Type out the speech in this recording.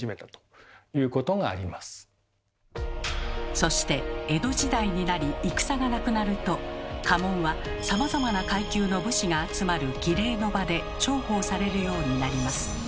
そして江戸時代になり戦がなくなると家紋はさまざまな階級の武士が集まる「儀礼の場」で重宝されるようになります。